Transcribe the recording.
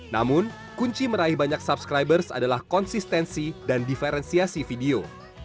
namun kunci meraih banyak subscribers adalah konsistensi dan diferensiasi video